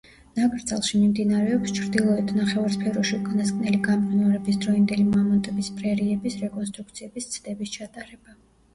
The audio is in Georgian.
ნაკრძალში მიმდინარეობს ჩრდილოეთ ნახევარსფეროში უკანასკნელი გამყინვარების დროინდელი მამონტების პრერიების რეკონსტრუქციების ცდების ჩატარება.